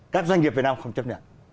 các doanh nghiệp việt nam không chấp nhận